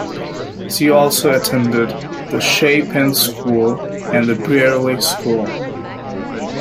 She also attended The Chapin School and The Brearley School.